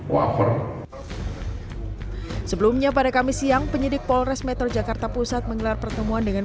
waver sebelumnya pada kamis siang penyidik polres metro jakarta pusat menggelar pertemuan dengan